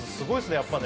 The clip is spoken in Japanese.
やっぱね